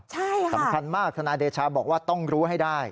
ใช่ค่ะสำคัญมากทนายเดชาบอกว่าต้องรู้ให้ได้